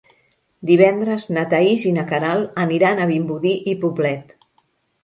Divendres na Thaís i na Queralt aniran a Vimbodí i Poblet.